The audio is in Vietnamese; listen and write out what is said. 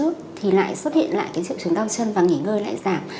trước thì lại xuất hiện lại triệu chứng đau chân và nghỉ ngơi lại giảm